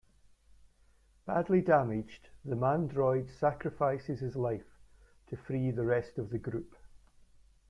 Badly damaged, the Mandroid sacrifices his life to free the rest of the group.